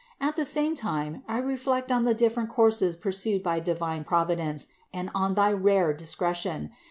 At the same time I reflect on the different courses pur sued by divine Providence and on thy rare discretion.